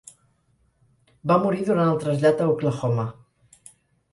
Va morir durant el trasllat a Oklahoma.